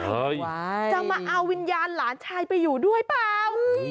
จะมาเอาวิญญาณหลานชายไปอยู่ด้วยเปล่า